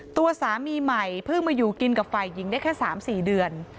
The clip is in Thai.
ตัวสามีใหม่เพิ่งมาอยู่กินกับฝ่ายหญิงได้แค่๓๔เดือน